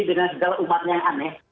dengan segala umatnya yang aneh